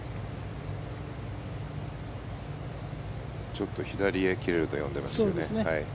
ちょっと左へ切れると読んでいますね。